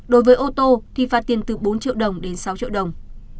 đối với ô tô thì phạt tiền từ bốn triệu đồng đến sáu triệu đồng